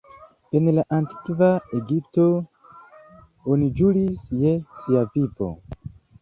En la antikva Egipto, oni ĵuris je sia vivo.